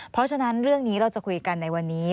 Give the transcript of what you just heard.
เพราะฉะนั้นเรื่องนี้เราจะคุยกันในวันนี้